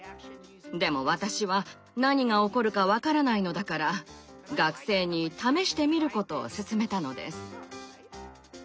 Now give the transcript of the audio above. でも私は何が起こるか分からないのだから学生に試してみることを勧めたのです。